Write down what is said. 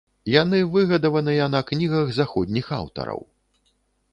Яны выгадаваныя на кнігах заходніх аўтараў.